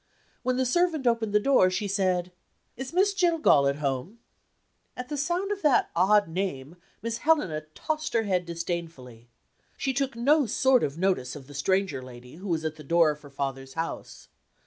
When the servant opened the door, she said: "Is Miss Jillgall at home?" At the sound of that odd name, Miss Helena tossed her head disdainfully. She took no sort of notice of the stranger lady who was at the door of her father's house.